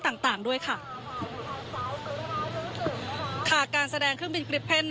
ก็จะมีการพิพากษ์ก่อนก็มีเอ็กซ์สุข่อน